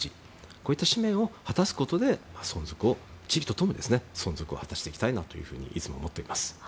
そういった面を果たすことで地域と共に存続を果たしていきたいといつも思っています。